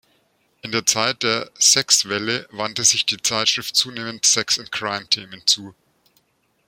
In der Zeit der Sexwelle wandte sich die Zeitschrift zunehmend „Sex and Crime“-Themen zu.